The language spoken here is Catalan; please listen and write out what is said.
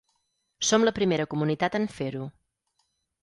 Som la primera comunitat en fer-ho.